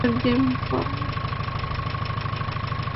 Stake আর ডিম খাওয়াবো।